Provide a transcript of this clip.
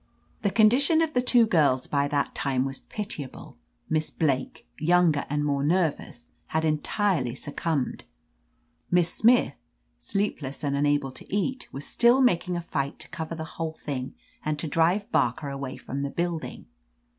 "The condition of the two girls by that time was pitiable. Miss Blake, younger and more nervous, had entirely succumbed: Miss Smith, sleepless and unable to eat, was still making a fight to cover the whole thing and to drive Barker away from the building.